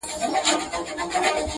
• یو کارګه وو څه پنیر یې وو غلا کړی,